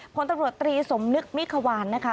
ผลตำรวจตรีสมนึกมิควานนะคะ